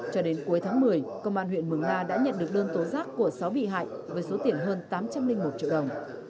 cho đến cuối tháng một mươi công an huyện mường la đã nhận được đơn tố giác của sáu bị hại với số tiền hơn tám trăm linh một triệu đồng